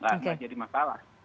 nggak jadi masalah